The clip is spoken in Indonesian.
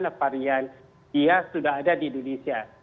dan varian ias sudah ada di indonesia